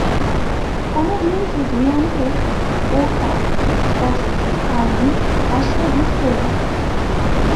কোন ইনিংসেই দুই অঙ্কের কোটা স্পর্শ করতে পারেননি অ্যাশলে ডি সিলভা।